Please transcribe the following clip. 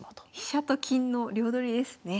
飛車と金の両取りですね。